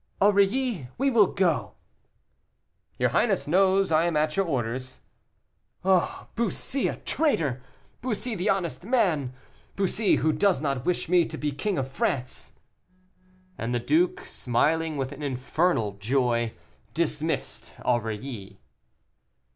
"Aurilly, we will go." "Your highness knows I am at your orders." "Ah! Bussy, a traitor! Bussy, the honest man Bussy, who does not wish me to be King of France;" and the duke, smiling with an infernal joy, dismissed Aurilly.